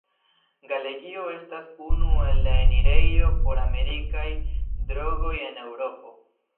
Galegio estas unu el la enirejo por amerikaj drogoj en Eŭropo.